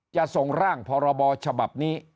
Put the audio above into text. จะส่งร่างพรบฉบับนี้